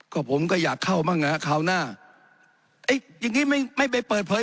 ก็ผมก็อยากเข้าบ้างอ่ะคราวหน้าไอ้อย่างงี้ไม่ไม่ไปเปิดเผย